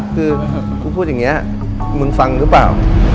คือกูพูดอย่างนี้มึงฟังหรือเปล่า